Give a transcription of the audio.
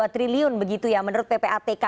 dua triliun begitu ya menurut ppatk